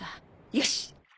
よし！